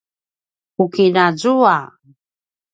ku kina zua